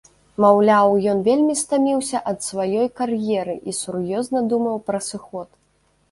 Маўляў, ён вельмі стаміўся ад сваёй кар'еры і сур'ёзна думаў пра сыход.